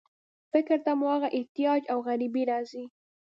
فکر ته مو هغه احتیاج او غریبي راځي.